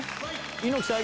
猪木さん！